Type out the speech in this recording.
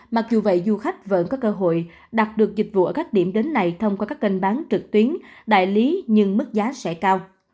mặc dù vậy du khách vẫn có cơ hội đặt được dịch vụ ở các điểm đến này thông qua các kênh bán trực tuyến đại lý nhưng mức giá sẽ cao